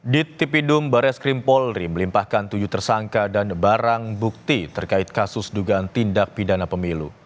di tipidum bares krim polri melimpahkan tujuh tersangka dan barang bukti terkait kasus dugaan tindak pidana pemilu